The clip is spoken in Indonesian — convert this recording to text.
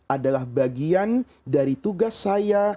adalah bagian dari tugas saya